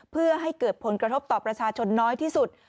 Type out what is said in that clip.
เพื่อให้เกิดผลกระทบต่อประชาชนน้อยที่สุด